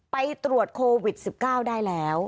ไปตรวจโควิด๑๙ได้แล้ว